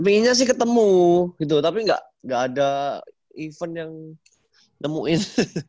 ya pinginnya sih ketemu gitu tapi gak ada event yang nemuin